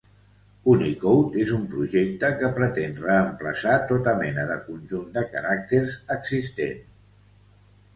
Unicode és un projecte que pretén reemplaçar tota mena de conjunt de caràcters existent.